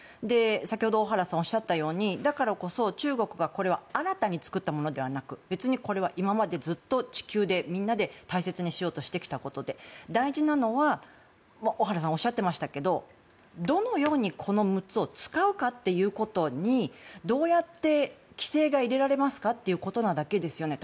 先ほど小原さんがおっしゃったように中国が新たに作ったものではなく別にこれは今までずっと地球でみんなで大切にしようとしてきたもので大事なのは、小原さんがおっしゃっていましたがどのようにこの６つを使うのかということに、どうやって規制が入れられますかということなだけですよね。